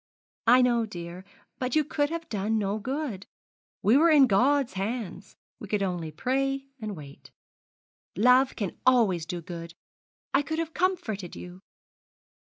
'I know, dear; but you could have done no good. We were in God's hands. We could only pray and wait.' 'Love can always do good. I could have comforted you!